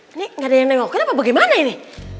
ini nggak ada yang nengokin apa bagaimana ya